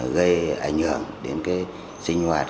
gây ảnh hưởng đến sinh hoạt